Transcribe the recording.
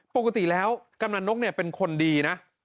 ปกติแล้วกำลังนกเนี่ยเป็นคนดีนะ